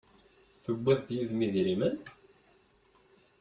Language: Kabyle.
Tewwiḍ-d yid-m idrimen?